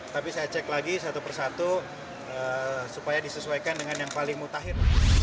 tapi saya cek lagi satu persatu supaya disesuaikan dengan yang paling mutakhir